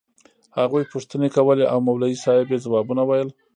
هغوى پوښتنې کولې او مولوي صاحب يې ځوابونه ويل.